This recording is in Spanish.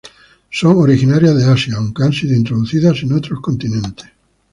Son originarias de Asia aunque han sido introducidas en otros continentes.